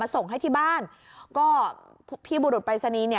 ส่งให้ที่บ้านก็พี่บุรุษปรายศนีย์เนี่ย